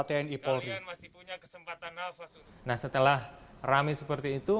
abu jandal memperkenalkannya sebagai mantan anggota tni polri nah setelah rame seperti itu